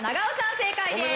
正解です！